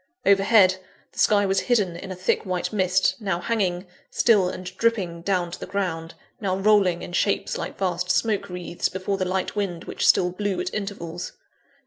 Overhead, the sky was hidden in a thick white mist, now hanging, still and dripping, down to the ground; now rolling in shapes like vast smoke wreaths before the light wind which still blew at intervals.